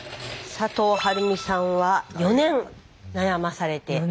佐藤晴美さんは４年悩まされて。